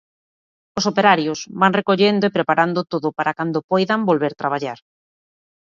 Os operarios van recollendo e preparando todo para cando poidan volver traballar.